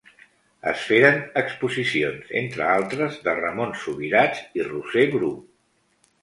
Es feren exposicions, entre altres, de Ramon Subirats i Roser Bru.